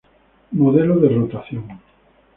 Modelo de rotación.